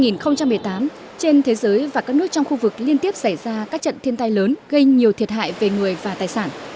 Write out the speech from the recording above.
năm hai nghìn một mươi tám trên thế giới và các nước trong khu vực liên tiếp xảy ra các trận thiên tai lớn gây nhiều thiệt hại về người và tài sản